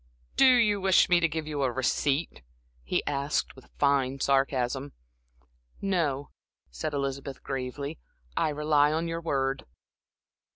"Do you wish me to give you a receipt?" he asked, with fine sarcasm. "No," said Elizabeth, gravely. "I rely on your word."